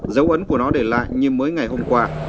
dấu ấn của nó để lại như mới ngày hôm qua